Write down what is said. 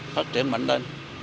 phát triển mạnh lên